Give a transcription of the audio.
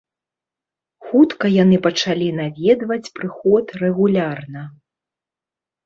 Хутка яны пачалі наведваць прыход рэгулярна.